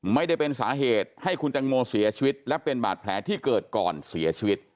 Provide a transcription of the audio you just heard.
ไม่ได้เป็นสาเหตุให้คุณแตงโมเสียชีวิตและเป็นบาดแผลที่เกิดก่อนเสียชีวิต